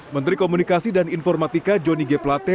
menteri komunikasi dan informatika johnny g plate